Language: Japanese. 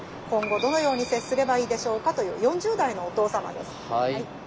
今後どのように接すればいいでしょうか」という４０代のお父様です。